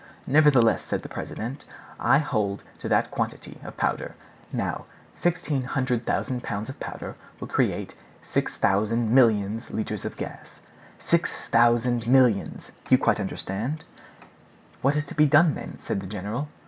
"Nevertheless," said the president, "I hold to that quantity of powder. Now, 1,600,000 pounds of powder will create 6,000,000,000 litres of gas. Six thousand millions! You quite understand?" "What is to be done then?" said the general.